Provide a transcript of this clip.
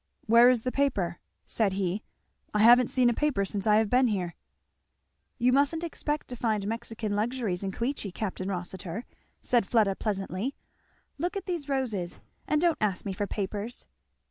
"Where is the paper?" said he. "I haven't seen a paper since I have been here." "You mustn't expect to find Mexican luxuries in Queechy, Capt. Rossitur," said Fleda pleasantly. "Look at these roses, and don't ask me for papers!"